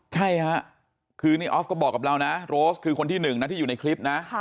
ใช่ค่ะคือนี่ออฟก็บอกกับเรานะโรสคือคนที่หนึ่งนะที่อยู่ในคลิปนะ